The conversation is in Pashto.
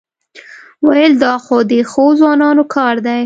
وېل دا خو د ښو ځوانانو کار دی.